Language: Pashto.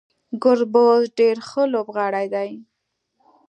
ګربز ډیر ښه لوبغاړی دی